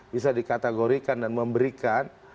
bisa dikategorikan dan memberikan